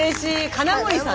金森さん。